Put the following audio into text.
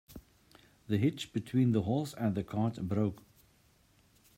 The hitch between the horse and cart broke.